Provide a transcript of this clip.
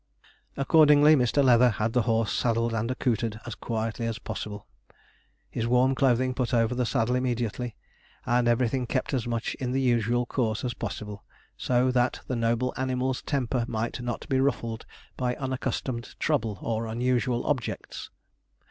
Accordingly, Mr. Leather had the horse saddled and accoutred as quietly as possible his warm clothing put over the saddle immediately, and everything kept as much in the usual course as possible, so that the noble animal's temper might not be ruffled by unaccustomed trouble or unusual objects.